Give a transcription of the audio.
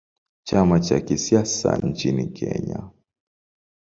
Chama cha kisiasa nchini Kenya.